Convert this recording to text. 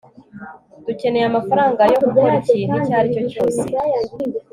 dukeneye amafaranga yo gukora ikintu icyo ari cyo cyose